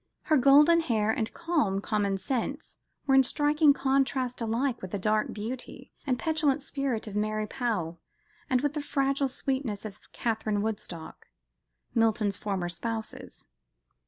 Her golden hair and calm commonsense were in striking contrast, alike with the dark beauty and petulant spirit of Mary Powell, and with the fragile sweetness of Catherine Woodcock, Milton's former spouses.